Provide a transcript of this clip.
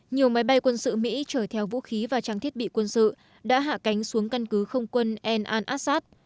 nhiều máy bay quân sự mỹ chở theo vũ khí và trang thiết bị quân sự đã hạ cánh xuống căn cứ không quân al assad